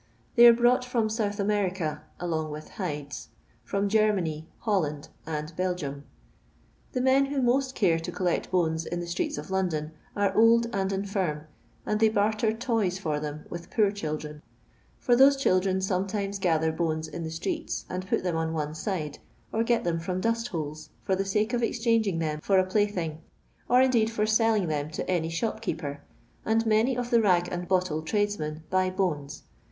They are brought from South America (along with hides), from Germany, HolLind, and Belgium. The men who most care to collect bones in the streets of London are old and infirm, and they barter toys for them with poor children ; for those children sometimes gather bones in the streeu and put them on one side, or get them from dustholes, for the sake of exchanging them for a plaything; or, indeed, for selling them to any shopkeeper, and many of the rag and bottle tradesmen buy bones.